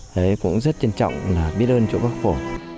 đấy cũng rất trân trọng là biết ơn chủ bắc phổ